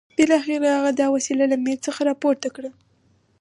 بالاخره هغه دا وسيله له مېز څخه راپورته کړه.